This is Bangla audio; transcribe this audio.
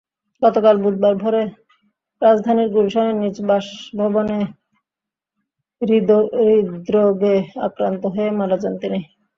গতকাল বুধবার ভোরে রাজধানীর গুলশানে নিজ বাসভবনে হৃদ্রোগে আক্রান্ত হয়ে মারা যান তিনি।